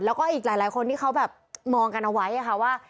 แล้วก็อีกหลายคนที่เขาแบบมองกันเอาไว้ค่ะว่า